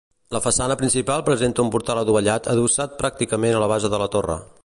La façana principal presenta un portal adovellat adossat pràcticament a la base de la torre.